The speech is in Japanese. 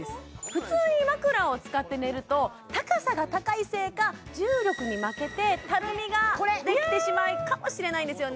普通に枕を使って寝ると高さが高いせいか重力に負けてたるみができてしまうかもしれないんですよね